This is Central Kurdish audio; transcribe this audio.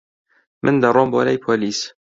من دەڕۆم بۆ لای پۆلیس.